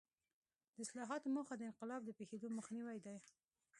د اصلاحاتو موخه د انقلاب د پېښېدو مخنیوی دی.